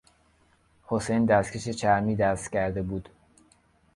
حسین دستکش چرمی دست کرده بود.